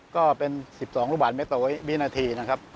ก็เป็น๑๒ลูกบาทเมตรต่อวินาที